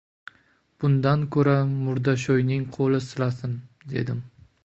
Bundan koʼra murdashoʼyning qoʼli silasin, dedim.